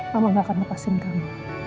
mama nggak akan lepasin kamu